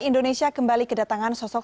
indonesia kembali kedatangan sosok